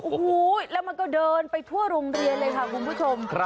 โอ้โหแล้วมันก็เดินไปทั่วโรงเรียนเลยค่ะคุณผู้ชม